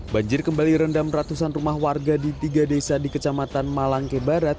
banjir kembali rendam ratusan rumah warga di tiga desa di kecamatan malangke barat